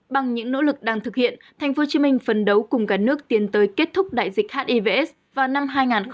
bằng những nỗ lực đang thực hiện tp hcm phấn đấu cùng cả nước tiến tới kết thúc đại dịch hiv s vào năm hai nghìn ba mươi